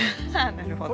なるほど。